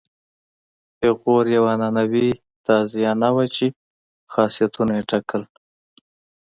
پیغور یوه عنعنوي تازیانه وه چې خاصیتونه یې ټاکل.